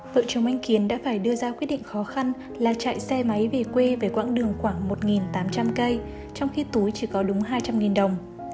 vợ chồng anh kiến đã phải đưa ra quyết định khó khăn là chạy xe máy về quê với quãng đường khoảng một tám trăm linh cây trong khi túi chỉ có đúng hai trăm linh đồng